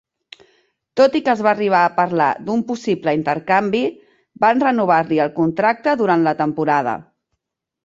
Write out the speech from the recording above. Tot i que es va arribar a parlar d'un possible intercanvi, van renovar-li el contracte durant la temporada.